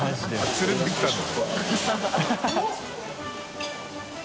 連れてきたんだ。